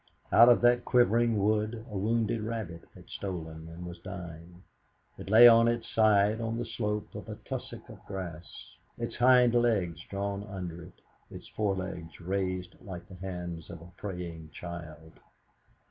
Out of that quivering wood a wounded rabbit had stolen and was dying. It lay on its side on the slope of a tussock of grass, its hind legs drawn under it, its forelegs raised like the hands of a praying child.